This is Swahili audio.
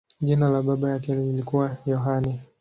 Jina la baba yake lilikuwa Yohane.